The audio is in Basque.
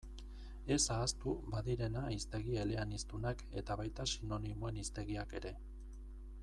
Ez ahaztu badirena hiztegi eleaniztunak eta baita sinonimoen hiztegiak ere.